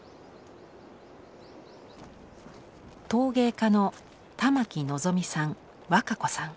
陶芸家の玉城望さん若子さん。